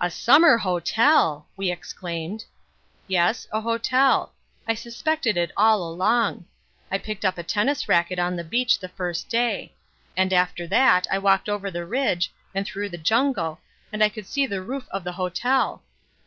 "A summer hotel!" we exclaimed. "Yes, a hotel. I suspected it all along. I picked up a tennis racket on the beach the first day; and after that I walked over the ridge and through the jungle and I could see the roof of the hotel.